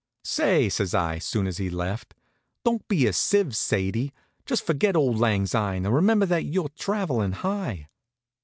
"Say," says I, soon as he'd left, "don't be a sieve, Sadie. Just forget auld lang syne, and remember that you're travelin' high."